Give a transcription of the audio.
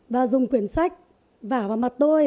và dùng quyển sách vả vào mặt tôi